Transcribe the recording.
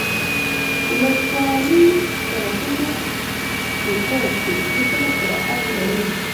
ولسوالي سرکونه شپیته کیلومتره سرعت لري